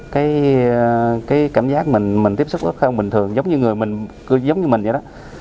cái cảm giác mình tiếp xúc f bình thường giống như mình vậy đó